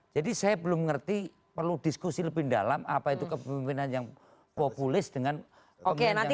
jadi saya belum mengerti perlu diskusi lebih dalam apa itu kepemimpinan yang populis dengan pemimpinan strategis